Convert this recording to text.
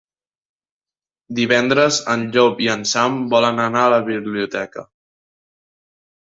Divendres en Llop i en Sam volen anar a la biblioteca.